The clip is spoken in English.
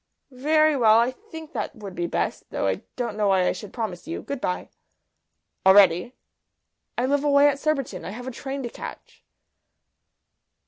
"Very well. I think that would be best, though I don't know why I should promise you. Good bye." "Already?" "I live away at Surbiton. I have a train to catch."